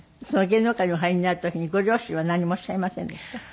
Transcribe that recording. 芸能界にお入りになる時にご両親は何もおっしゃいませんでした？